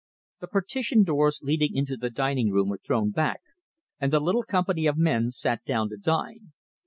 The partition doors leading into the dining room were thrown back and the little company of men sat down to dine.